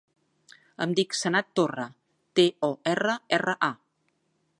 Em dic Sanad Torra: te, o, erra, erra, a.